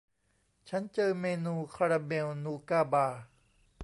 ฉันเจอเมนูคาราเมลนูก้าบาร์